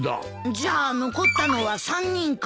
じゃあ残ったのは３人か。